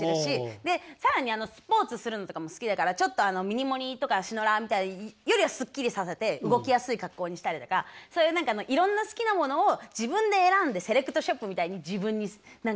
で更にスポーツするのとかも好きだからちょっとミニモニ。とかシノラーみたいよりはすっきりさせて動きやすい格好にしたりとかそういう何かいろんな好きなものを自分で選んでセレクトショップみたいに自分に何か統括してる。